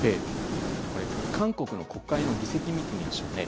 韓国の国会の議席を見てみましょう。